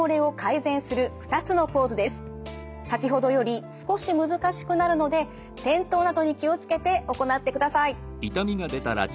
先ほどより少し難しくなるので転倒などに気を付けて行ってください。